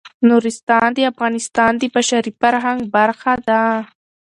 نورستان د افغانستان د بشري فرهنګ برخه ده.